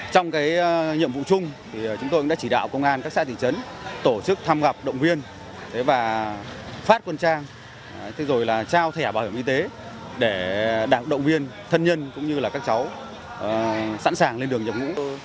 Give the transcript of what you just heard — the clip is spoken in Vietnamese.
trong nhiệm vụ chung chúng tôi đã chỉ đạo công an các xã thị trấn tổ chức tham gặp động viên phát quân trang trao thẻ bảo hiểm y tế để động viên thân nhân cũng như các cháu sẵn sàng lên đường nhập ngũ